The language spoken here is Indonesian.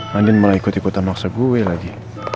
mandian malah ikut ikutan maksa gue lagi